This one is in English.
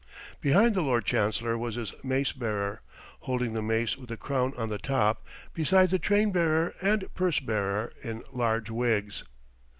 Behind the Lord Chancellor was his mace bearer, holding the mace with the crown on the top, besides the train bearer and purse bearer, in large wigs.